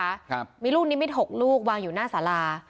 ใช่ค่ะมีรูปนิดหกลูกวางอยู่หน้าสารา